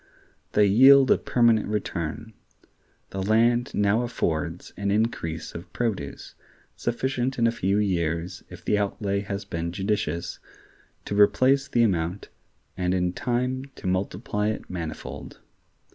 They yield a permanent return; the land now affords an increase of produce, sufficient in a few years, if the outlay has been judicious, to replace the amount, and in time to multiply it manifold.